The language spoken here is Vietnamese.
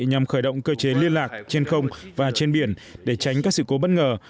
nhằm khởi động cơ chế liên lạc trên không và trên biển để tránh các sự cố bất ngờ